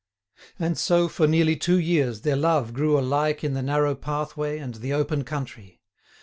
And so, for nearly two years, their love grew alike in the narrow pathway and the open country.